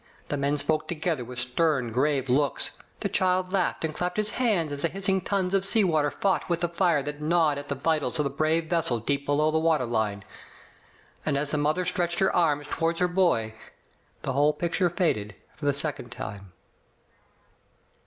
The men spoke together with stern, grave looks; the child laughed and clapped his hands as the hissing tons of sea water fought with the fire that gnawed at the vitals of the brave vessel, deep below the water line. And as the mother stretched her arms toward her boy the whole picture faded for the second time.